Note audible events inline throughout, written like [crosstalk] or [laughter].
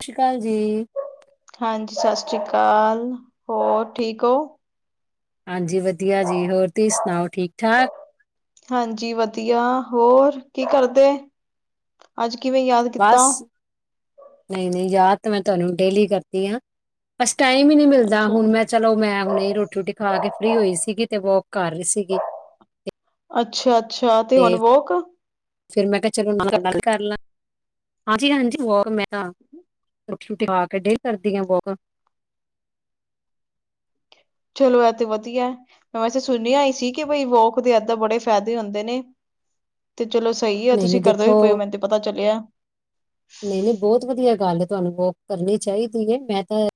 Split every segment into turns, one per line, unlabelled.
ਸਤਿ ਸ਼੍ਰੀ ਅਕਾਲ ਜੀ।
ਹਾਂਜੀ, ਸਤਿ ਸ਼੍ਰੀ ਅਕਾਲ ਹੋਰ ਠੀਕ ਓ?
ਹਾਂਜੀ, ਵਧੀਆ ਜੀ, ਹੋਰ ਤੁਸੀਂ ਸੁਣਾਓ ਠੀਕ-ਠਾਕ?
ਹਾਂਜੀ, ਵਧੀਆ, ਹੋਰ ਕੀ ਕਰਦੇ? ਅੱਜ ਕਿਵੇਂ ਯਾਦ ਕੀਤਾ
ਬਸ, ਨਹੀਂ-ਨਹੀਂ ਯਾਦ ਤਾਂ ਮੈਂ ਤੁਹਾਨੂੰ ਡੇਲੀ ਕਰਦੀ ਹਾਂ। ਬਸ ਟਾਈਮ ਈ ਨੀ ਮਿਲਦਾ,
ਅੱਛਾ
ਹੁਣ ਮੈਂ ਚਲੋ, ਮੈਂ ਹੁਣੇ ਰੋਟੀ-ਰੋਟੀ ਖਾ ਕੇ ਫ੍ਰਰੀ ਹੋਈ ਸੀਗੀ, ਤੇ ਵੋਕ ਕਰ ਰਹੀ ਸੀਗੀ।
ਅੱਛਾ-ਅੱਛਾ, ਤੇ ਹੁਣ ਵੋਕ।
ਫੇਰ ਮੈਂ ਕਿਹਾ ਚਲੋ, ਮੈਂ ਗੱਲ ਕਰ ਲਾਂ। ਹਾਂਜੀ -ਹਾਂਜੀ, ਵੋਕ ਮੈਂ ਤਾਂ ਰੋ ਟੀ ਰੁੁਟੀ ਖਾਕੇ ਡੇਲੀ ਕਰਦੀ ਹਾਂ ਵੋਕ।
ਚਲੋ, ਏਹ ਤੇ ਵਧੀਆ, ਮੈਂ ਵੈਸੇ ਸੁਣਿਆ ਹੀ ਸੀ, ਕਿ ਬਈ ਵੋਕ ਦੇ ਏਦਾਂ ਬੜੇ ਫਾਇਦੇ ਹੁੰਦੇ ਨੇ। ਤੇ ਚਲੋ ਸਹੀ ਆ,
ਨਹੀਂ ਨਹੀਂ
ਤੁਸੀਂ ਕਰਦੇ
ਦੇਖੋ
ਵੀ ਪਏ ਓ ਮੈਨੂੰ ਤੇ ਪਤਾ ਚੱਲਿਆ।
ਨਹੀਂ-ਨਹੀਂ, ਬੋਤ ਵਧੀਆ ਗੱਲ ਏ, ਤੁਹਾਨੂੰ ਵੋਕਕਰਨੀ ਚਾਹੀਦੀ ਹੈ ਮੈਂ ਤਾਂ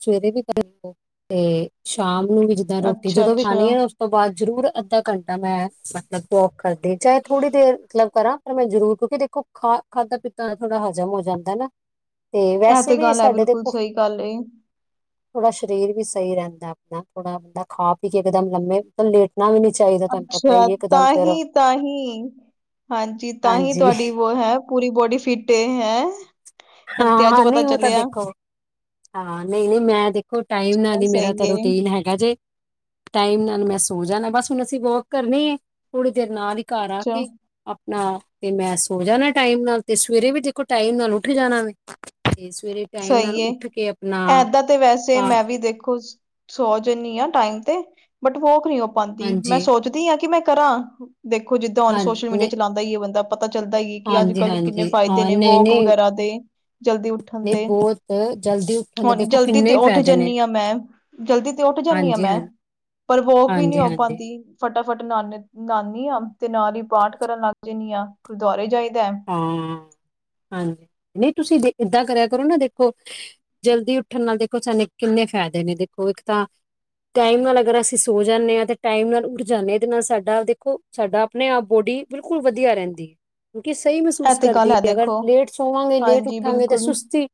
ਸਵੇਰੇ ਵੀ ਕਰਓ, ਤੇ ਸ਼ਾਮ ਨੂੰ ਵੀ ਜਿੱਦਾਂ ਰੋਟੀ
ਅੱਛਾ
ਜਦੋਂ ਵੀ
ਅੱਛਾ
ਖਾਣੀ ਆ ਤੋਂ ਬਾਅਦ ਜ਼ਰੂਰ ਅੱਧਾ ਘੰਟਾ ਮੈਂ ਮਤਲਬ ਵੋਕ ਕਰਦੀ ਆ, ਚਾਹੇ ਥੋੜ੍ਹੀ ਦੇਰ ਮਤਲਬ ਕਰਾਂ, ਪਰ ਮੈਂ ਜ਼ਰੂਰ ਕਿਉਂਕਿ ਦੇਖੋ ਖਾ ਖਾਧਾ ਪੀਤਾ ਤਾਂ ਥੋੜਾ ਹਜ਼ਮ ਹੋ ਜਾਂਦੈ ਨਾ, ਤੇ
ਇਹ
ਵੈਸੇ ਵੀ
ਗੱਲ ਹੈ
ਸਾਡੇ
ਬਿਲਕੁਲ
ਦੇਖੋ
ਸਹੀ ਗੱਲ ਇਹ
ਥੋੜਾ ਸਰੀਰ ਵੀ ਸਹੀ ਰਹਿੰਦੈ ਆਪਣਾ ਥੋੜਾ ਬਹੁਤਾ ਖਾ ਪੀ ਕੇ ਇਕਦਮ ਲੰਮੇ ਲੇਟਨਾ ਵੀ ਨੀ ਚਾਹੀਦਾ ਤੁਹਾਨੂੰ ਪਤਾ
ਅੱਛਾ
ਹੀ ਇੱਕਦਮ ਫੇਰ
ਤਾਂਹੀ ਤਾਂਹੀ ਹਾਂਜੀ ਤਾਂ ਹੀ
ਹਾਂਜੀ
ਤੁਹਾਡੀ ਵੋ ਹੈਂ ਪੂਰੀ ਬੋਡੀ ਫਿਟ ਏ ਹੈਂ। ਮੈਂਨ
ਹਾਂ
ਤੇ ਅੱਜ
ਹਾਂ
ਪਤਾ
ਨਹੀਂ ਉਹ ਤਾਂ
ਚੱਲਿਆ।
ਦੇਖੋ ਹਾਂ ਨਹੀਂ ਨਹੀਂ ਮੈਂ ਦੇਖੋ, ਟਾਈਮ ਨਾਲ
ਉਹ
ਹੀ ਮੇਰਾ
ਸਹੀ
ਤਾਂ
ਏ
ਰੂਟੀਨ ਹੈ। ਜੇ ਟਾਈਮ ਨਾਲ ਮੈਂ ਸੋ ਜਾਣਾ ਬਸ ਹੁਣ ਅਸੀਂ ਵੋਕ ਕਰਨੀੇ ਏ ਥੋੜੀ ਦੇਰ ਨਾਲ ਹੀ ਘਰ ਆ
ਚ
ਕੇ, ਆਪਣਾ ਤੇ ਮੈਂ ਸੋ ਜਾਣਾ ਟਾਈਮ ਨਾਲ ਤੇ ਸਵੇਰੇ ਵੀ ਦੇਖੋ ਟਾਈਮ ਨਾਲ ਉੱਠ ਜਾਣਾ ਵੇ। ਤੇ ਸਵੇਰੇ ਟਾਈਮ ਨਾਲ
ਸਹੀ ਏ
ਉਠ
ਏਦਾਂ ਤੇ ਵੈਸੇ ਮੈਂ ਵੀ ਦੇਖੋ। ਸੋ ਜਾਂਦੀ ਆਂ ਟਾਈਮ ਤੇ ਬਟ ਵੋਕ ਨਹੀਂ ਹੋ ਪਾਂਦੀ ਮੈਂ
ਹਾਂਜੀ
ਸੋਚਦੀ ਹਾਂ ਕਿ ਮੈਂ ਕਰਾਂ। ਦੇਖੋ ਜਿੱਦਾਂ ਹੁਣ
ਹਾਂਜੀ
ਸੋਸ਼ਲ ਮੀਡੀਆ
ਨਹੀਂ
ਚਲਾਂਦਾ ਹੀ ਏ ਬੰਦਾ ਪਤਾ ਚੱਲਦਾ ਹੀ ਏ ਕਿ ਅੱਜ
ਹਾਂਜੀ
ਕੱਲ੍ਹ ਕਿੰਨੇ
ਹਾਂਜੀ
ਫ਼ਾਇਦੇ
ਹਾਂ
ਨੇ
ਨਹੀਂ
ਵੋਕ
ਨਹੀਂ
ਵਗੈਰਾ ਦੇ ਜਲਦੀ ਉੱਠ
ਨਹੀਂ ਬਹੁਤ ਜਲਦੀ ਦੇ
ਹੁਣ
ਦੇਖੋ
ਜਲਦੀ
ਕਿੰਨੇ
ਤੇ
ਹੀ
ਉੱਠ
ਫਾਇਦੇ ਨੇ
ਜਾਂਦੀ ਹਾਂ ਮੈਂ ਜਲਦੀ ਤੇ ਉੱਠ ਜਾਂਦੀ ਹਾਂ ਮੈਂ, ਪਰ ਵੋਕ ਹੀ ਨਹੀਂ
ਹਾਂਜੀ
ਹੋ
ਹਾਂਜੀ
ਪਾਂਦੀ ਫਟਾਫਟ ਨਾਨੇ ਨਹਾਨੀ ਆਂ ਤੇ ਨਾਲ ਹੀ ਪਾਠ ਕਰਨ ਲੱਗ ਜਾਂਨੀ ਆਂ ਗੁਰਦੁਆਰੇ ਜਾਈਦੈ।
ਹਾਂ ਹਾਂਜੀ ਨਹੀਂ ਦੇ ਤੁਸੀਂ ਏਦਾਂ ਕਰਿਆ ਕਰੋ ਨਾ ਦੇਖੋ। ਜਲਦੀ ਉੱਠਣ ਨਾਲ ਦੇਖੋ ਸਾਨੇ ਕਿੰਨੇ ਫ਼ਾਇਦੇ ਨੇ ਦੇਖੋ ਇੱਕ ਤਾਂ ਟਾਈਮ ਨਾਲ ਅਗਰ ਅਸੀਂ ਸੋ ਜਾਂਨੇ ਆਂ ਤੇ ਟਾਈਮ ਨਾਲ ਉੱਠ ਜਾਂਨੇ ਆਂ ਇਹਦੇ ਨਾਲ ਸਾਡਾ ਦੇਖੋ। ਸਾਡਾ ਆਪਣੇ ਆਪ ਬੋਡੀ ਬਿਲਕੁਲ ਵਧੀਆ ਰਹਿੰਦੀ ਏ। ਕਿ ਸਹੀ
ਇਹ
ਮਹਿਸੂਸ
ਤੇ ਗੱਲ
ਕਰਦੀ
ਹੈ
ਏ ਅਗਰ
ਦੇਖੋ
ਲੇਟ ਸੋਵਾਂਗੇ ਲੇਟ
ਹਾਂਜੀ
ਉੱਠਾਂਗੇ ਤੇ
ਬਿਲਕੁਲ
ਸੁਸਤੀ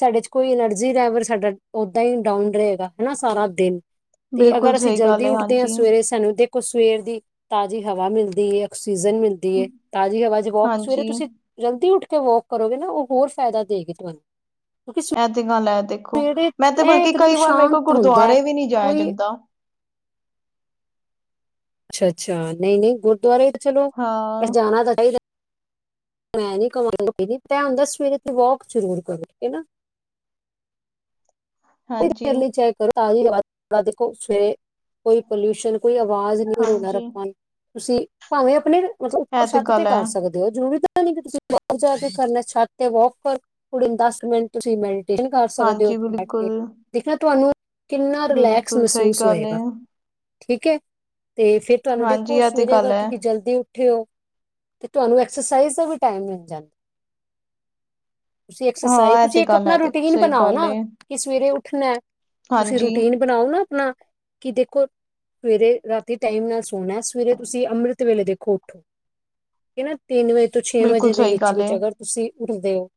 ਸਾਡੇ ਚ ਕੋਈ ਐਨਰਜੀ ਰੈਵਰ ਸਾਡਾ ਓਦਾਂ ਹੀ ਡਾਊਨ ਰਹੇਗਾ। ਹਨਾ ਸਾਰਾ ਦਿਨ ਤੇ
ਬਿਲਕੁਲ
ਅਗਰ ਅਸੀਂ
ਸਹੀ ਗੱਲ
ਜਲਦੀ
ਹੈ
ਉੱਠਦੇ ਹਾਂ
ਹਾਂਜੀ,
ਸਵੇਰੇ ਸਾਨੂੰ ਦੇਖ। ਸਵੇਰ ਦੀ ਤਾਜ਼ੀ ਹਵਾ ਮਿਲਦੀ ਏ, ਆਕਸੀਜਨ ਮਿਲਦੀ ਏ ਤਾਜ਼ੀ ਹਵਾ ਚ ਬਹੁਤ
ਹਾਂਜੀ ਇਹ
ਜਲਦੀ ਉੱਠ ਕੇ ਵੋਕ ਕਰੋਗੇ ਨਾ ਉਹ ਹੋਰ ਫਾਇਦਾ ਦੇਗੀ ਤੁਹਾਨੂੰ ਕਿਉਂਕਿ
ਤੇ ਗੱਲ ਹੈ ਦੇਖੋ।
ਸਵੇਰੇ
ਮੈਂ ਤੇ
ਇਹ
ਬਲਕਿ
ਇਕਦਮ
ਕਈ ਵਾਰ ਮੇਰੇ ਕੋਲ
ਸ਼ਾਂਤ ਹੁੰਦਾ ਹੈ
ਗੁਰਦੁਆਰੇ ਵੀ ਨਹੀਂ ਜਾਇਆ
ਕੋਈ
ਜਾਂਦਾ
ਅੱਛਾ ਅੱਛਾ ਨਹੀਂ ਨਹੀਂ ਗੁਰਦੁਆਰੇ ਤੇ ਚਲੋ
ਹਾਂ।
ਜਾਣਾ ਤਾਂ ਚਾਹੀਦਾ। ਮੈਂ ਨੀ ਕਵਾਂਗੀ ਤੇ ਇਹ ਹੁੰਦੈ ਸਵੇਰੇ ਤੇ ਵੋਕ ਜ਼ਰੂਰ ਕਰੋ ਠੀਕ ਹੈ ਨਾ,
ਹਾਂਜੀ,
[unintelligible] ਤਾਜ਼ੀ ਹਵਾ ਦੇਖੋ ਸਵੇਰੇ ਕੋਈ ਪੋਲਿਊਸ਼ਨ ਕੋਈ ਆਵਾਜ਼ ਰੋਲਾ
ਹਾਂਜੀ
ਰੱਪਾ ਨੀ ਤੁਸੀਂ ਭਾਵੇਂ ਆਪਣੇ ਮਤਲਬ ਉੱਪਰ
ਇਹ
ਛੱਤ ਤੇ
ਗੱਲ ਹੈ
ਕਰ ਸਕਦੇ ਓ ਜਰੂਰੀ ਤਾਂ ਨੀ ਕਿ ਤੁਸੀਂ ਬਾਹਰ ਜਾ ਕੇ ਕਰਨੈ ਛੱਤ ਤੇ ਵੋਕ ਕਰ ਕੁੜੀ ਨੂੰ ਦਸ ਮਿੰਟ ਤੁਸੀਂ ਮਿਲ ਕਰ ਸਕਦੇ ਹੋ
ਹਾਂਜੀ
ਉੱਥੇ ਬੈਠ
ਬਿਲਕੁਲ।
ਕੇ ਦੇਖਣਾ ਤੁਹਾਨੂੰ ਕਿੰਨਾ ਰਿਲੈਕਸ
ਬਿਲਕੁਲ ਸਹੀ
ਮਹਿਸੂਸ
ਗੱਲ ਏ।
ਹੋਏਗਾ। ਠੀਕ ਹੈ ਤੇ ਫਿਰ ਤੁਹਾਨੂੰ
ਹਾਂਜੀ
ਦੇਖੋ
ਇਹ ਤੇ
ਸਵੇਰੇ
ਗੱਲ
ਅਗਰ
ਹੈ
ਤੁਸੀਂ ਜਲਦੀ ਉੱਠੇ ਹੋ। ਤੇ ਤੁਹਾਨੂੰ ਐਕਸਰਸਾਈਜ਼ ਦਾ ਵੀ ਟੈਮ ਮਿਲ ਜਾਂ ਤੁਸੀਂ ਐਕਸਰਸਾਈਜ਼
ਹਾਂ ਇਹ ਤੇ
ਤੁਸੀਂ ਇੱਕ
ਗੱਲ ਹੈ
ਆਪਣਾ
ਦੇਖੋ
ਰੂਟੀਨ
ਸਹੀ
ਬਣਾਓ
ਗੱਲ ਏ
ਨਾ ਕਿ ਸਵੇਰੇ ਉੱਠਣੈ ਤੁਸੀਂ
ਹਾਂਜੀ।
ਰੂਟੀਨ ਬਣਾਓ ਨਾ ਆਪਣਾ ਕਿ ਦੇਖੋ ਸਵੇਰੇ ਰਾਤੀ ਟਾਈਮ ਨਾਲ ਸੋਣੈ ਸਵੇਰੇ ਤੁਸੀਂ ਅੰਮ੍ਰਿਤ ਵੇਲੇ ਦੇਖੋ ਉੱਠੋ ਤਿੰਨ ਵਜੇ ਤੋਂ ਛੇ
ਬਿਲਕੁਲ
ਵਜੇ ਦੇ
ਸਹੀ
ਵਿੱਚ
ਗੱਲ ਏ
ਵਿੱਚ ਅਗਰ ਤੁਸੀਂ ਉੱਠਦੇ ਹੋ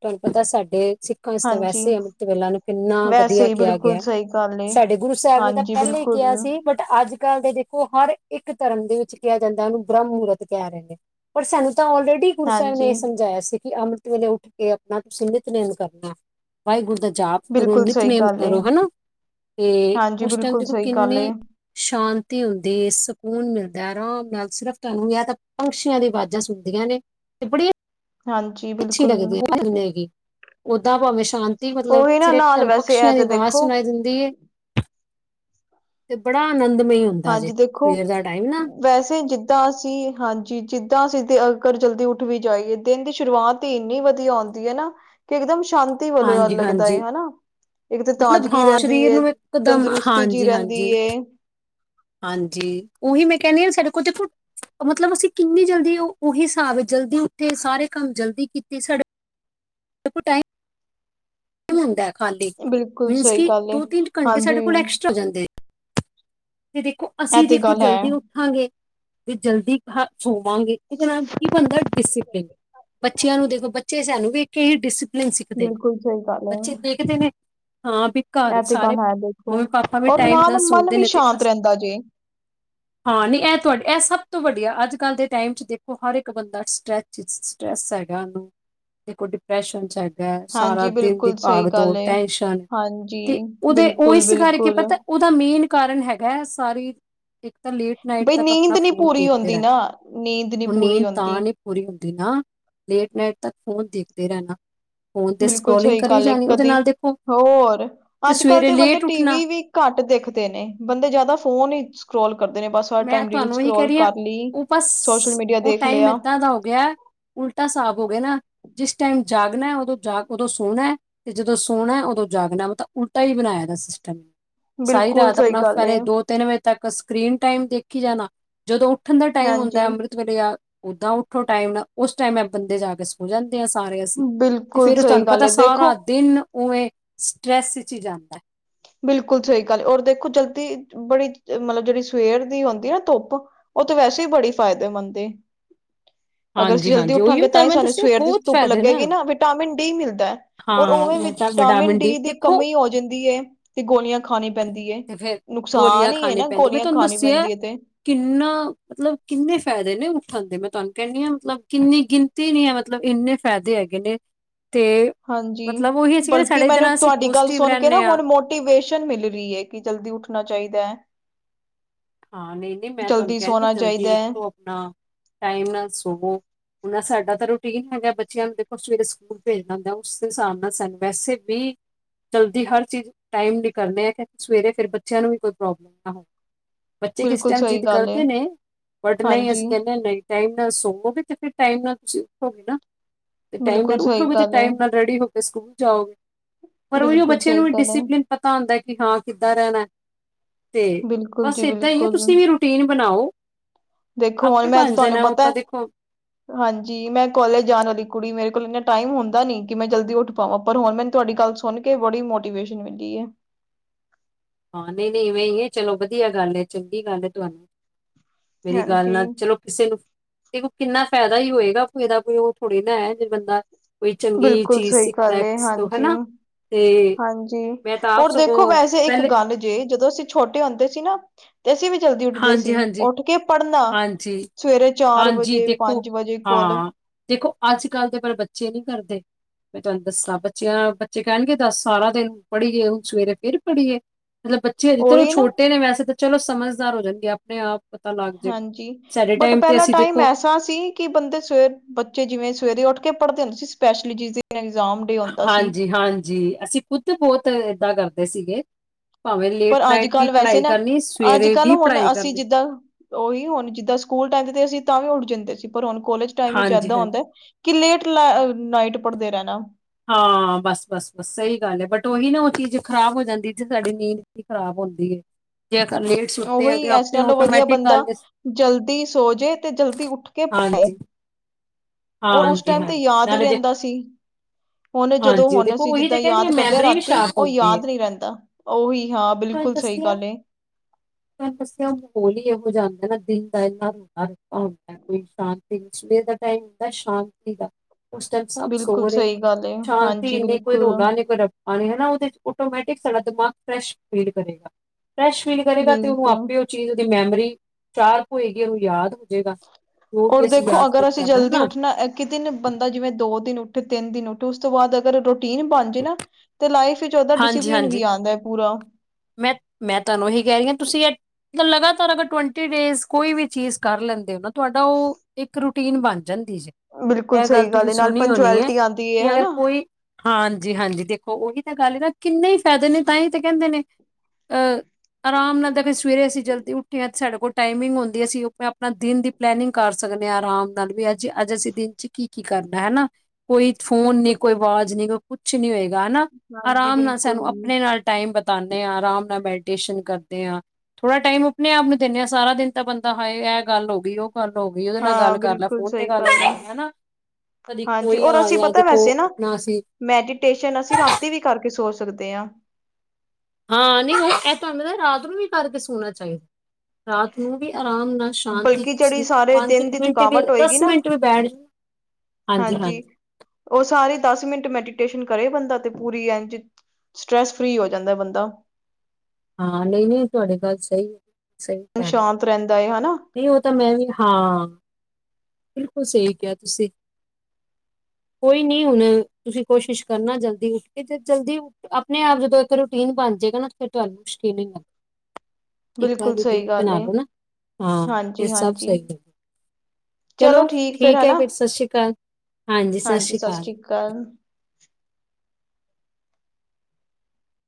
ਤੁਹਾਨੂੰ ਪਤਾ ਸਾਡੇ ਸਿੱਖਾਂ ਚ ਤਾਂ
ਹਾਂਜੀ
ਵੈਸੇ ਅੰਮ੍ਰਿਤ ਵੇਲਾ ਨੂੰ ਇੰਨਾ
ਵੈਸੇ
ਵਧੀਆ
ਹੀ
ਕਿਹਾ
ਬਿਲਕੁਲ
ਗਿਐ
ਸਹੀ ਗੱਲ ਏ।
ਸਾਡੇ ਗੁਰੂ ਸਾਹਿਬ ਨੇ ਤਾਂ
ਹਾਂਜੀ
ਪਹਿਲੇ ਹੀ
ਬਿਲਕੁਲ,
ਕਿਹਾ ਸੀ। ਬਟ ਅੱਜ-ਕੱਲ ਦੇਖੋ ਹਰ ਇੱਕ ਧਰਮ ਦੇ ਵਿੱਚ ਕਿਹਾ ਜਾਂਦੈ ਉਹਨੂੰ ਬ੍ਰਹਮ ਮਹੂਰਤ ਕਹਿ ਰਹੇ ਨੇ। ਪਰ ਸਾਨੂੰ ਤਾਂ ਆਲਰੇਡੀ ਗੁਰੂ ਸਾਹਿਬ ਨੇ
ਹਾਂਜੀ
ਇਹ ਸਮਝਾਇਆ, ਸੀ ਕਿ ਅੰਮ੍ਰਿ ਤ ਵੇਲੇ ਉੱਠ ਕੇ ਆਪਣਾ ਤੁਸੀ ਨਿੱਤਨੇਮ ਕਰਨਾ ਵਾਹਿਗੁਰੂ ਦਾ ਜਾਪ ਕਰੋ
ਬਿਲਕੁਲ ਸਹੀ
ਨਿਤਨੇਮ
ਗੱਲ ਏ
ਕਰੋ ਹਨਾ, ਤੇ
ਹਾਂਜੀ
ਉਸ ਟਾਈਮ
ਬਿਲਕੁਲ
ਦੇਖੋ
ਸਹੀ ਗੱਲ
ਕਿੰਨੇ
ਏ।
ਸ਼ਾਂਤੀ ਹੁੰਦੀ ਏ, ਸਕੂਨ ਮਿਲਦਾ ਆਰਾਮ ਨਾਲ ਸਿਰਫ ਤੁਹਾਨੂੰ ਜ਼ਿਆਦਾ ਪੰਛੀਆਂ ਦੀ ਆਵਾਜ਼ਾਂ ਸੁਣਦੀਆਂ ਨੇ, [inaudible]
ਹਾਂਜੀ। ਬਿਲ
ਅੱਛੀ ਲੱਗਦੀ ਆ [unintelligible] ਹੈਗੀ। ਓਦਾਂ ਭਾਵੇਂ ਸ਼ਾਂਤੀ ਮਤਲਬ
ਉਹੀ ਨਾ
ਸਿਰਫ ਇਕ
ਨਾਲ
ਤੈਨੂੰ
ਵੈਸੇ ਇਹ
ਪਕਸ਼ੀਆਂ ਦੀ
ਤੇ
ਆਵਾਜ਼
ਦੇਖੋ
ਸੁਣਾਈ ਦਿੰਦੀ ਐ। ਤੇ ਬੜਾ ਆਨੰਦਮਈ ਹੁੰਦਾ ਜੇ
ਹਾਂਜੀ ਦੇਖੋ
ਸਵੇਰ ਦਾ ਟਾਈਮ ਨਾ
ਵੈਸੇ ਜਿੱਦਾਂ ਅਸੀਂ ਹਾਂਜੀ, ਜਿੱਦਾਂ ਅਸੀਂ ਅਗਰ ਜਲਦੀ ਉੱਠ ਵੀ ਜਾਈਏ ਦਿਨ ਦੀ ਸ਼ੁਰੂਆਤ ਤ ਇੰਨੀ ਵਧੀਆ ਆਉਂਦੀ ਹੈ ਨਾ ਕਿ ਇੱਕਦਮ ਸ਼ਾਂਤੀ ਵਲਆ
ਹਾਂਜੀ
ਲੱਗਦਾ ਏ
ਹਾਂਜੀ
ਹਨਾ। ਇੱਕ ਤਾਂ
ਮਤਲਬ
ਤਾਜ਼ਗੀ
ਹਾਂ
ਰਹਿੰਦੀ
ਸਰੀਰ
ਏ।
ਨੂੰ ਇੱਕਦਮ
ਤੰਦਰੁਸਤੀ ਜਿਹੀ
ਹਾਂਜੀ
ਰਹਿੰਦੀ
ਹਾਂਜੀ
ਏ।
ਹਾਂਜੀ ਉਹੀ ਮੈਂ ਕਹਿੰਨੀ ਹਾਂ ਸਾਡੇ ਕੋਲ ਦੇਖੋ ਮਤਲਬ ਅਸੀਂ ਕਿੰਨੀ ਜਲਦੀ ਉਹ ਉਹੀ ਹਿਸਾਬ ਜਲਦੀ ਉੱਥੇ ਸਾਰੇ ਕੰਮ ਜਲਦੀ ਕੀਤੇ ਸਾਡੇ [unintelligible] ਟਾਈਮ ਮ ਹੁੰਦਾ ਖਾਲੀ
ਬਿਲਕੁਲ
ਮੀਨਸ
ਸਹੀ
ਕਿ
ਗੱਲ ਏ
ਦੋ ਤਿੰਨ ਘੰਟੇ
ਹਾਂਜੀ
ਸਾਡੇ ਕੋਲ ਐਕਸਟਰਾ ਜਾਂਦ ਤੇ ਦੇਖੋ
ਇਹ
ਅਸੀਂ
ਤੇ
ਦੇਖੋ
ਗੱਲ ਹੈ
ਜਲਦੀ ਉੱਠਾਂਗੇ ਤੇ ਜਲਦੀ ਹਾਂ ਸੋਵਾਂਗੇ ਇਹਦੇ ਨਾਲ ਇਹ ਬਣਦਾ ਡਿਸਿਪਲਿਨ ਬੱਚਿਆਂ ਨੂੰ ਦੇਖੋ ਬ ਚੇ ਸਾਨੂੰ ਵੇਖ ਕੇ ਈ ਡਿਸਪਲਿਨ ਸਿੱਖਦੇ ਨੇ,
ਬਿਲਕੁਲ ਸਹੀ ਗੱਲ
ਬੱਚੇ
ਹੈ
ਦੇਖਦੇ ਨੇ ਹਾਂ ਵੀ ਘਰ
ਇਹ ਤੇ
ਸਾਰੇ
ਗੱਲ ਹੈ ਦੇਖੋ
ਮੰਮੀ ਪਾਪਾ ਵੀ
ਔਰ
ਟਾਈਮ
ਨਾਲ ਮਨ
ਸੌਦੇ
ਵੀ
ਨੇ ਤੇ
ਸ਼ਾਂਤ
ਅਸ
ਰਹਿੰਦਾ ਜੇ।
ਹਾਂ ਨਈ ਇਹ ਤੁਹਾਡੇ ਇਹ ਸਭ ਤੋਂ ਵੱਡਆ ਅੱਜ ਕੱਲ੍ਹ ਦੇ ਟਾਈਮ ਚ ਦੇਖੋ ਹਰ ਇੱਕ ਬੰਦਾ ਸਟਰ੍ਰੈ ਸਟਰ੍ਰੈਸ ਹੈਗਾ ਉਹਨੂੰ ਦੇ ਕੋਈ ਡਿਪਰੈਸ਼ਨ ਚ ਹੈ। ਲ ਸਾਰਾ
ਹਾਂਜੀ,
ਦਿਨ ਦੀ
ਬਿਲਕੁਲ ਸਹੀ
ਭਾਗ
ਗੱਲ
ਤੋੜ
ਏ।
ਟੈਨਸ਼ਨ
ਹਾਂਜੀ,
ਤੇ ਉਹਦੇ ਉਹ ਇਸ ਕਰਕੇ
ਬਿਲਕੁਲ-ਬਿਲਕੁਲ।
ਪਤਾ ਉਹਦਾ ਮੇਨ ਕਾਰਨ ਹੈਗਾ ਸਾਰੀ ਇੱਕ ਤਾਂ ਲੇਟ ਨਾਈਟ
ਬਈ
ਤੱਕ ਆਪਣਾ
ਨੀਂਦ ਨੀ
ਫੋਨ
ਪੂਰੀ
ਦੇਖਦੇ
ਹੁੰਦੀ
ਰਹਿਣਾ,
ਨਾ, ਨੀਂਦ ਨੀ
ਉਹ
ਪੂਰੀ
ਨੀਂਦ ਤਾਂ
ਹੁੰਦੀ।
ਨੀ ਪੂਰੀ ਹੁੰਦੀ ਨਾ, ਲੇਟ ਨਾਈਟ ਤੱਕ ਫੋਨ ਦੇਖਦੇ ਰਹਿਣਾ ਫੋਨ
[inaudible]
ਤੇ
ਬਿਲਕੁਲ
ਸਕਰੋਲਿੰਗ
ਸਹੀ
ਕਰੀ
ਗੱਲ ਏ
ਜਾਣੀ ਉਹਦੇ
ਕਦੀ
ਨਾਲ ਦੇਖੋ
ਹੋਰ ਅੱਜ ਕੱਲ
ਸਵੇਰੇ
ਤੇ ਬੰਦਾ
ਲੇਟ
ਟੀ
ਉੱਠਣਾ
ਵੀ ਵੀ ਘੱਟ ਦੇਖਦੇ ਨੇ ਬੰਦੇ ਜਿਆਦਾ ਫੋਨ ਚ ਸਕੋਲ ਕਰਦੇ ਨੇ ਬਸ ਹਰ
ਮੈਂ
ਟਾਈਮ ਰੀਲ
ਤੁਹਾਨੂੰ ਇਹੀ ਕਹਿ
ਸਕਰੋਲ
ਰਹੀ ਹਾਂ
ਕਰ ਲਈ
ਉਹ ਬਸ
ਸੋਸ਼ਲ ਮੀਡੀਆ
ਉਹ
ਦੇਖ
ਟਾਈਮ
ਲਿਆ।
ਏਦਾਂ ਦਾ ਹੋ ਗਿਆ ਉਲਟਾ ਸਾਬ ਹੋ ਗਿਆ ਨਾ ਜਿਸ ਟਾਈਮ ਜਾਗਨਾ ਉਦੋਂ ਜਾ ਉਦੋਂ ਸੋਣਾ ਤੇ ਜਦੋਂ ਸੋਣਾ ਉਦੋਂ ਜਾਗਨਾ ਮਤ ਤਾਂ ਉਲਟਾ ਹੀ ਬਣਾਇਆ ਦਾ ਸਿਸਟਮ ਸਾਰੀ
ਬਿਲਕੁਲ
ਰਾਤ
ਸਹੀ
ਆਪਣਾ
ਗੱਲ ਏ,
ਸਵੇਰੇ ਦੋ ਤਿੰਨ ਵਜੇ ਤੱਕ ਸਕਰੀਨ ਟਾਈਮ ਦੇਖੀ ਜਾਣਾ ਜਦੋਂ ਉੱਠਣ ਦਾ ਟਾਈਮ ਹੁੰਦਾ
ਹਾਂਜੀ।
ਅੰਮ੍ਰਿਤ ਤ ਵੇਲੇ ਆ ਓਦਾਂ ਉੱਠੋ ਟਾਈਮ ਨਾਲ, ਉਸ ਟਾਈਮ ਆ ਬੰਦੇ ਜਾ ਕੇ ਸੋ ਸੋ ਜਾਂਦੇ ਆ ਸਾਰੇ ਅਸੀਂ, ਤੇ
ਬਿਲਕੁਲ
ਫੇਰ
ਸਹੀ
ਤੁਹਾਨੂੰ
ਗੱਲ
ਪਤਾ
ਏ,
ਸਾਰਾ
ਦੇਖੋ
ਦਿਨ ਉਵੇ ਸਟਰ੍ਰੈਸ ਚ ਹੀ ਜਾਂਦਾ।
ਬਿਲਕੁਲ ਸਹੀ ਗੱਲ ਆ, ਔਰ ਦੇਖੋ ਜਲਦੀ ਬੜੀ ਮਤਲਬ ਜਿਹੜੀ ਸਵੇਰ ਦੀ ਹੁੰਦੀ ਨਾ ਧੁੱਪ ਉਹ ਤਾਂ ਵੈਸੇ ਹੀ ਬੜੀ ਫਾਇਦੇਮੰਦ ਏ। ਅਗਰ ਅਸੀਂ
ਹਾਂਜੀ
ਜਲਦੀ
ਹਾਂਜੀ ਉਹੀਓ
ਉੱਠਾਂਗੇ ਤਾਂ ਹੀ
ਮੈਂ
ਸਾਨੂੰ
ਦੱਸਿਆ
ਸਵੇਰ ਦੀ
ਬਹੁਤ
ਧੁੱਪ
ਫਾਇਦੇ
ਲੱਗੇਗੀ ਨਾ ਵਿਟਾਮਿਨ ਡੀ ਮਿਲਦਾ। ਔਰ
ਹਾਂ
ਉਵੇਂ
ਉਹ ਤਾਂ
ਵਿਟਾਮਿਨ ਡੀ ਦੀ
ਦੇਖੋ
ਕਮੀ ਹੋ ਜਾਂਦੀ ਏ। ਤੇ ਗੋਲੀਆਂ ਖਾਣੀ ਪੈਂਦੀ ਏ।
ਤੇ ਫੇਰ ਗੋਲੀਆਂ
ਨੁਕਸਾਨ ਹੀ ਹੈ
ਖਾਣੀ
ਨਾ
ਪੈਂਦੀ ਮੈਂ
ਗੋਲੀਆਂ
ਤੁਹਾਨੂੰ
ਖਾਣੀ
ਦੱਸਿਆ
ਪੈਂਦੀ ਹੈ ਤੇ
ਕਿੰਨਾ ਮਤਲਬ ਕਿੰਨੇ ਫਾਇਦੇ ਨੇ ਉੱਠਣ ਦੇ, ਮੈਂ ਤੁਹਾਨੂੰ ਕਹਿਣੀ ਹਾਂ ਮਤਲਬ ਕਿੰਨੀ ਗਿਣਤੀ ਨੀ ਹੈ ਮਤਲਬ ਇੰਨੇ ਫਾਇਦੇ ਹੈਗੇ ਨੇ ਤੇ
ਹਾਂਜੀ
ਮਤਲਬ ਉਹੀ ਅਸੀਂ ਕਹਿੰਦੇ
ਬਲਕਿ
ਸਾਡੇ ਇਹਦੇ
ਮੈਨੂੰ
ਨਾਲ ਅਸੀਂ
ਤੁਹਾਡੀ ਗੱਲ
ਪੋਜ਼ਟਿਵ
ਸੁਣ ਕੇ, ਨਾ
ਰਹਿੰਦੇ ਹਾਂ
ਹੁਣ ਮੋ ਮੋਟੀਵੇਸ਼ਨ ਮਿਲ ਰਹੀ ਏ ਕਿ ਜਲਦੀ ਉੱਠਣਾ ਚਾਈਦਾ ਐ,
ਹਾਂ, ਨਹੀਂ -ਨਹੀਂ ਮੈਂ ਤੁਹਾਨੂੰ
ਜਲਦੀ
ਕਹਿਣੀ
ਸੋਣਾ
ਜਲਦੀ
ਚਾਹੀਦਾ ਹੈ
ਉੱਠੋ ਆਪਣਾ ਟਾਈਮ ਨਾਲ ਸੋਵੋ, ਨਾ ਸਾਡਾ ਤਾਂ ਰੂਟੀਨ ਹੈਗਾ ਬੱਚਿਆਂ ਨੂੰ ਦੇਖੋ ਸਵੇਰੇ ਸਕੂਲ ਭੇਜਣਾ ਹੁੰਦਾ, ਉਸ ਦੇ ਹਿਸਾਬ ਨਾਲ ਸਾਨੂੰ ਵੈਸੇ ਵੀ, ਜਲਦੀ ਹਰ ਚੀਜ਼ ਟਾਈਮ ਦੀ ਕਰਦੇ ਆ ਫਿਰ, ਸਵੇਰੇ ਫਿਰ ਬੱਚਿਆਂ ਨੂੰ ਵੀ ਕੋਈ ਪ੍ਰੋਬਲਮ ਨਾ ਹੋਵੇ। ਬੱਚੇ ਕਿਸ
ਬਿਲਕੁਲ
ਟਾਈਮ
ਸਹੀ
ਜਿੱਦ
ਗੱਲ ਏ
ਕਰਦੇ ਨੇ, ਬਟ ਨਹੀਂ
ਹਾਂਜੀ
ਅਸੀਂ ਕੇਹਦੇ ਨਈ। ਟਾਈਮ ਨਾਲ ਸੋਵੋਗੇ ਤੇ ਫਿਰ ਟਾਈਮ ਨਾਲ ਤੁਸੀਂ ਉੱਠੋਗੇ ਨਾ, ਤੇ ਟਾਈਮ
ਬਿਲਕੁਲ
ਨਾਲ
ਸਹੀ
ਉੱਠੋਗੇ ਤੇ
ਗੱਲ ਏ
ਟਾਈਮ ਨਾਲ ਰੈਡੀ ਹੋ ਕੇ ਸਕੂਲ ਜਾਓਗੇ, ਪਰ ਉਹੀ ਉਹ
ਬਿਲਕੁਲ
ਬੱਚਿਆਂ
ਸਹੀ
ਨੂੰ ਵੀ
ਗੱਲ ਹੈ,
ਡਿਸਿਪਲਿਨ ਪਤਾ ਹੁੰਦਾ ਆ ਕਿ ਹਾਂ ਕਿੱਦਾਂ ਰੈਣਾ,
ਬਿਲਕੁਲ ਜੀ ਬਿਲਕੁਲ।
ਕੀ ਤੁਸੀਂ ਵੀ ਰੂਟੀਨ ਬਣਾਓ,
ਦੇਖੋ ਹੁਣ
ਆਪੇ
ਮੈਂ ਤੇ
ਬਣ
ਤਾਨੂੰ
ਜਾਣਾ ਉਹ
ਪਤਾ
ਤਾਂ ਦੇਖੋ
ਹਾਂਜੀ ਮੈਂ ਕੋਲਜ ਜਾਣ ਵਾਲੀ ਕੁੜੀ, ਮੇਰੇ ਕੋਲ ਇੰਨਾ ਟਾਈਮ ਹੁੰਦਾ ਨੀ ਕਿ ਮੈਂ ਜਲਦੀ ਉੱਠ ਹਾ ਪਰ ਹੁਣ ਮੈਨੂੰ ਤੁਹਾਡੀ ਗੱਲ ਸੁਣ ਕੇ ਬੜੀ ਮੋਟੀਵੇਸ਼ਨ ਮਿਲੀ ਏ।
ਹਾਂ, ਨਹੀਂ -ਨਹੀਂ ਇਵੇਂ ਨੀ ਏ, ਚਲੋ ਵਧੀਆ ਗੱਲ ਏ, ਚੰਗੀ ਗੱਲ ਏ ਤੁਹਾਨੂੰ ਮੇਰੀ ਗੱਲ
ਹਾਂਜੀ,
ਨਾਲ ਚਲੋ- ਕਿਸੇ ਨੂੰ ਦੇਖੋ, ਕਿੰਨਾ ਫਾਇਦਾ ਈ ਹੋਏਗਾ, ਏਹਦਾ ਕੋਈ ਓਹ ਥੋੜ੍ਹੇ ਨਾ ਜੇ ਬੰਦਾ ਕੋਈ ਚੰਗੀ
ਬਿਲਕੁਲ
ਚੀਜ਼
ਸਹੀ ਗੱਲ
ਸਿੱਖਦਾ
ਏ
ਕਿਸੇ ਤੋਂ
ਹਾਂਜੀ,
ਹਨਾ, ਤੇ
ਹਾਂਜੀ
ਮੈਂ ਤਾਂ ਆਪ
ਹੋਰ ਦੇਖੋ
ਸਗੋਂ
ਵੈਸੇ ਇੱਕ
ਪਹਿਲੇ
ਗੱਲ ਜੇ, ਜਦੋਂ ਅਸੀਂ ਛੋਟੇ ਹੁੰਦੇ ਸੀ ਨਾ ਤੇ ਅਸੀਂ ਵੀ ਜਲਦੀ ਉੱਠਦੇ
ਹਾਂਜੀ
ਸੀ,
ਹਾਂਜੀ
ਉੱਠ ਕੇ ਪੜ੍ਹਨਾ,
ਹਾਂਜੀ
ਸਵੇਰੇ ਚਾਰ
ਹਾਂਜੀ
ਵਜੇ,
ਦੇਖੋ
ਪੰਜ ਵਜੇ ਕੋਲਜ,
ਹਾਂ ਦੇਖੋ ਅੱਜ -ਕੱਲ੍ਹ ਦੇ ਪਰ ਬੱਚੇ ਨਈ ਕਰਦੇ। ਮੈਂ ਤੁਹਾਨੂੰ ਦੱਸਾਂ ਬੱਚੇਆਂ, ਬੱਚੇ ਕੈਣਗੇ ਦਸ ਸਾਰਾਂ ਦਿਨ ਪੜ੍ਹੀਏ ਹੁਣ ਸਵੇਰੇ ਫਿਰ ਪੜ੍ਹੀਏ, ਮਤਲਬ ਬੱਚੇ ਹੈ ਜੇ ਚਲੋ
ਉਹੀ ਨਾ
ਛੋਟੇ ਨੇ ਵੈਸੇ ਤਾਂ ਚਲੋ ਸਮਝਦਾਰ ਹੋ ਜਾਂਣਗੇ ਆਪਣੇ ਆਪ, ਪਤਾ ਲੱਗ ਜਾਏਗਾ
ਹਾਂਜੀ।
ਸਾਡੇ
ਬਟ
ਟਾਈਮ ਤੇ
ਪੈਹਲਾ
ਅਸੀਂ
ਟਾਈਮ
ਦੇਖੋ
ਐ ਏਦਾ ਸੀ ਕਿ ਬੰਦੇ ਸਵੇ, ਬੱਚੇ ਜਿਵੇਂ ਸਵੇਰੇ ਉੱਠ ਕੇ ਪੜ੍ਹਦੇ ਹੁੰਦੇ ਸੀ ਸਪੈਸ਼ਲੀ ਜਿਸ ਦਿ ਐਗਜ਼ਾਮ ਡੇ
ਹਾਂਜੀ -ਹਾਂਜੀ ਅਸੀਂ ਖੁੱਦ ਬੋਤ ਏਦਾਂ ਕਰਦੇ ਸੀਗੇ, ਭਾਵੇਂ
ਪਰ
ਲੇਟ
ਅੱਜ
ਨਾਈਟ ਵੀ
ਕੱਲ੍ਹ ਵੈਸੇ
ਪੜ੍ਹਾਈ
ਨਾ
ਕਰਨੀ, ਸਵੇਰੇ ਵੀ ਪੜ੍ਹਾਈ ਕਰਨੀ,
ਓਹੀ ਹੁਣ ਜਿੱਦਾਂ ਸਕੂਲ ਟਾਈਮ ਤੇ ਅਸੀਂ ਤਾਂ ਵੀ ਉੱਠ ਜਾਂਦੇ ਸੀ, ਪਰ ਹੁਣ ਕੋਲੇਜ ਟਾਈਮ ਵਿੱਚ
ਹਾਂਜੀ
ਏਦਾਂ
ਹਾਂਜੀ
ਹੁੰਦਾ ਕਿ ਲੇਟ ਲਾਏ ਨਾਈਟ ਪੜ੍ਹਦੇ ਰੈਣਾ।
ਹਾਂ ਬਸ -ਬਸ, ਬਸ ਸਹੀ ਗੱਲ ਏ, ਬਟ ਓਹੀ ਨਾ ਓਹ ਚੀਜ਼ ਖਰਾਬ ਹੋ ਜਾਂਦੀ, ਜੀ ਸਾਡੀ ਨੀਂਦ ਨਈ ਖਰਾਬ ਹੁੰਦੀ। ਜੇ ਅਗਰ ਲੇਟ ਸੁੱਤੇ ਆ,
ਉਹੀ
ਤੇ
ਇਸ
ਆਪੇ
ਨਾਲੋਂ ਵਧੀਆ
ਆਟੋਮੈਟਿਕ ਗੱਲ
ਬੰਦਾ
ਏ,
ਜਲਦੀ ਸੋ ਜੇ ਤੇ ਜਲਦੀ ਉੱਠ ਕੇ ਪਏ
ਹਾਂਜੀ।
ਔਰ ਉਸ
ਹਾਂਜੀ
ਟਾਈਮ ਤੇ
ਹਾਂਜੀ
ਯਾਦ ਵੀ
ਨਾਲੇ ਦੇ
ਰੈਂਦਾ ਸੀ। ਹੁਣ ਜਦੋਂ
ਹਾਂਜੀ
ਹੁਣ
ਦੇਖੋ
ਅਸੀਂ
ਉਹੀ
ਜਿੱਦਾਂ
ਤਾਂ ਕਹਿੰਦੀ
ਯਾਦ ਕਰਦੇ ਆ
ਮੈਮਰੀ ਵੀ
ਰਾਤੀ,
ਸ਼ਾਰਪ
ਉਹ
ਹੁੰਦੀ
ਯਾਦ ਨਈ ਰੈਂਦਾ। ਓਹੀ ਹਾਂ ਬਿਲਕੁਲ ਸਈ ਗੱਲ ਏ,
ਮੈ ਦੱਸਿਆ ਮਾਹੌਲ ਹੀ ਇਹੋ ਜਾਂਦਾ, ਨਾ ਦਿਲ ਦਾ ਇੰਨਾ ਰੋਣਾ ਹੁੰਦਾ। ਕੋਈ ਸ਼ਾਂਤੀ ਸਵੇਰ ਦਾ ਟਾਈਮ ਹੁੰਦਾ ਸ਼ਾਂਤੀ ਦਾ। ਉਸ ਟਾਈਮ ਸਭ
ਬਿਲਕੁਲ
ਸੋ ਰਹੇ
ਸਹੀ
ਨੇ
ਗੱਲ ਏ
ਸ਼ਾਂਤੀ
ਹਾਂਜੀ
ਇੰਨੀ ਕੋਈ
ਬਿਲਕੁਲ
ਰੋਲਾ ਨਹੀਂ ਘਰ, ਨਾਲੇ ਹਨਾ, ਓਹਦੇ ਆਟੋਮੈਟਿਕ ਸਾਡਾ ਦਿਮਾਗ ਫਰੈਸ਼ ਫੀਲ ਕਰੇਗਾ। ਫਰੈਸ਼ ਫੀਲ ਕਰੇਗਾ ਤੇ ਓਹ
ਬਿਲਕੁਲ
ਆਪੇ ਚੀਜ਼ ਓਹਦੀ ਮੈਮਰੀ ਸ਼ਾਰਪ ਹੋਏਗੀ, ਉਹਨੂੰ ਯਾਦ ਹੋ ਜਾਏਗਾ। ਜੋ
ਔਰ
ਵੀ ਅਸੀਂ
ਦੇਖੋ
ਯਾਦ
ਅਗਰ ਅਸੀਂ
ਕੀਤਾ ਦਾ
ਜਲਦੀ ਉੱਠ ਹਨਾ ਇੱਕ -ਦਿਨ ਬੰਦਾ ਜਿਵੇਂ ਦੋ -ਦਿਨ ਉੱਠੇ, ਤਿੰਨ -ਦਿਨ ਉੱਠੇ, ਉਸ ਤੋਂ ਬਾਅਦ ਅਗਰ ਰੋ ਰੋਟੀਨ ਬਣ ਜੇ ਨਾ, ਤੇ ਲਾਈਫ ਵਿੱਚ ਓਦਾ
ਹਾਂਜੀ
ਡਿਸਪਲਿਨ ਵੀ
ਹਾਂਜੀ
ਆਂਦਾ ਆ ਪੂਰਾ।
ਮੈਂ, ਮੈਂ ਤੁਹਾਨੂੰ ਏਹੀ ਕੈਹ ਰਈ ਹਾਂ ਤੁਸੀਂ ਏ ਲਗਾਤਾਰ ਅਗਰ ਟਵੈਂਟੀ ਡੇਜ਼ ਕੋਈ ਵੀ ਚੀਜ਼ ਕਰ ਲੈਂਦੇ ਹੋ ਨਾ, ਤੁਹਾਡਾ ਉਹ ਇੱਕ ਰੂਟੀਨ ਬਣ ਜਾਂਦੀ ਜੇ।
ਬਿਲਕੁਲ
ਏਹ ਗੱਲ,
ਸਹੀ
ਤੁਸੀਂ
ਏ ਨਾਲ
ਸੁਣੀ ਹੋਣੀ ਹੈ,
ਪੰਚੁਐਲਿਟੀ ਆਉਂਦੀ ਹੈ
ਕਿ ਅਗਰ
ਹਨਾ
ਕੋਈ, ਹਾਂਜੀ- ਹਾਂਜੀ ਦੇਖੋ। ਉਹੀ ਗੱਲ ਦਾ ਕਿੰਨੇ ਹੀ ਫਾਇਦੇ ਨੇ, ਤਾਂ ਹੀ ਤੇ ਕਹਿੰਦੇ ਨੇ ਅਹ ਆਰਾਮ ਨਾਲ ਤਾਂ ਸਵੇਰੇ ਅਸੀਂ ਜਲਦੀ ਉੱਠੀ ਆ, ਸਾਡੇ ਕੋਲ ਟਾਈਮਿੰਗ ਹੁੰਦੀ, ਅਸੀਂ ਆਪ ਆਪਣਾ ਦਿਨ ਦੀ ਪਲੈਨਿੰਗ ਕਰ ਸਕਦੇ ਹਾਂ, ਆਰਾਮ ਨਾਲ ਵੀ ਅੱਜ-ਅੱਜ ਅਸੀਂ ਦਿਨ ਚ ਕੀ -ਕੀ ਕਰਨਾ ਹਨਾ। ਕੋਈ ਫੋਨ ਨੀ,
ਬਿਲਕੁਲ
ਕੋਈ
ਸਹੀ
ਆਵਾਜ਼ ਨੀ, ਕੋਈ ਕੁਛ ਨੀ ਹੋਏਗਾ ਹਨਾ,
ਹਾਂਜੀ
ਆਰਾਮ ਨਾਲ
ਬਿਲਕੁਲ
ਸਾਨੂੰ ਆਪਣੇ ਨਾਲ ਟਾਈਮ ਬਤਾਨੇ ਹਾਂ, ਆਰਾਮ ਨਾਲ ਮੈਡੀਟੇਸ਼ਨ ਕਰਦੇ ਹਾਂ। ਥੋੜਾ ਟਾਈਮ ਆਪਣੇ ਆਪ ਨੂੰ ਦਿੰਦੇ ਹਾਂ, ਸਾਰਾ ਦਿਨ ਤਾਂ ਬੰਦਾ ਹਾਏ, ਐਹ ਗੱਲ ਹੋ ਗਈ। ਉਹ ਗੱਲ ਹੋ ਗਈ, ਓਦੇ ਨਾਲ
ਹਾਂ
ਗੱਲ ਕਰ ਲੈ,
ਬਿਲਕੁਲ
ਫੋਨ ਤੇ
ਸਹੀ
ਗੱਲ
ਹੈ
ਕਰ ਹਨਾ। ਕਦੀ
ਹਾਂਜੀ
ਕੋਈ
ਔਰ
ਆ
ਅਸੀਂ
ਗਿਆ
ਪਤਾ
ਦੇਖੋ,
ਵੈਸੇ ਨਾ
ਆਪਣਾ ਅਸੀਂ
ਮੈਡੀਟੇਸ਼ਨ, ਅਸੀਂ ਰਾਤੀ ਵੀ ਕਰਕੇ ਸੋ ਸਕਦੇ ਹਾਂ।
ਹਾਂ, ਨਈ ਓ ਐਹ ਤੁਹਾਨੂੰ ਰਾਤ ਨੂੰ ਵੀ ਕਰਕੇ ਸੋਣਾ ਚਾਹੀਦਾ, ਰਾਤ ਨੂੰ ਵੀ ਆਰਾਮ ਨਾਲ ਸ਼ਾਂਤੀ,
ਬਲਕਿ ਜਿਹੜੀ
ਤੁਸੀਂ
ਸਾਰੇ
ਪੰਜ
ਦਿਨ ਦੀ
ਮਿੰਟ ਵੀ
ਥਕਾਵਟ ਹੋਏਗੀ
ਦਸ
ਨਾ
ਮਿੰਟ ਵੀ ਬੈਠ ਜੋ। ਹਾਂਜੀ -ਹਾਂਜੀ
ਓ ਸਾਰੇ ਦਸ ਮਿੰਟ ਮੈਡੀਟੇਸ਼ਨ ਕਰੇ, ਬੰਦਾ ਤੇ ਪੂਰੀ ਐਂਜ ਸਟਰ੍ਰੈਸ ਫਰੀ ਹੋ ਜਾਂਦਾ ਬੰਦਾ।
ਹਾਂ, ਨਹੀਂ-ਨਹੀਂ ਤੁਹਾਡੇ ਗੱਲ ਸਹੀ ਹੈ। ਸਹੀ
ਮਨ
ਕਹਿ ਰਹੇ ਹੋ
ਸ਼ਾਂਤ ਰੈਂਦਾ ਏ ਹਨਾ।
ਨਹੀਂ, ਓਤਾਂ ਮੈਂ ਵੀ ਹਾਂ, ਬਿਲਕੁਲ ਸਹੀ ਕਿਹਾ। ਤੁਸੀਂ ਕੋਈ ਨੀ, ਹੁਣ ਤੁਸੀਂ ਕੋਸ਼ਿਸ਼ ਕਰਨਾ, ਜਲਦੀ ਉੱਠ ਕੇ, ਜਦ ਜਲਦੀ ਆਪਣੇ-ਆਪ, ਜਦੋਂ ਇੱਕ ਰੂਟੀਨ ਬਣ ਜੇਗ ਨਾ, ਫੇਰ ਤੁਹਾਨੂੰ ਮੁਸਕਿਲ ਇੱਕ ਵਾਰ
ਬਿਲਕੁਲ ਸਹੀ
ਰੂਟੀਨ
ਗੱਲ
ਬਣਾ
ਏ।
ਲੋ, ਨਾ ਹਾਂ ਇਹ
ਹਾਂਜੀ
ਸਭ
ਹਾਂਜੀ
ਸਹੀ ਚਲੋ ਠੀਕ ਹੈ, ਫੇਰ ਸਤਿ ਸ਼੍ਰੀ ਅਕਾਲ, ਹਾਂਜੀ ਸਤਿ ਸ਼੍ਰੀ ਅਕਾਲ।
ਕਾਰ